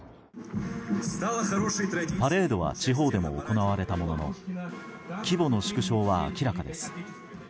パレードは地方でも行われたものの規模の縮小は明らかです。